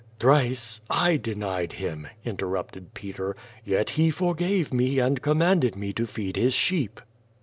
"Tlirice I denied him/' interrupted Peter. "Yet he for gave me and commanded mc to feed his sheep."